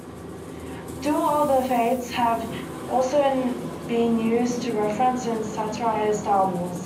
"Duel of the Fates" has also been used to reference and satirize "Star Wars".